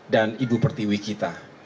dan ibu pertiwi kita